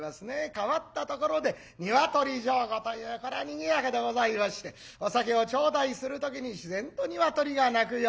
変わったところで鶏上戸というこりゃにぎやかでございましてお酒を頂戴する時に自然と鶏が鳴くような。